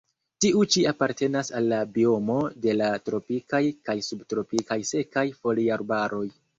Tiu ĉi apartenas al la biomo de la tropikaj kaj subtropikaj sekaj foliarbaroj.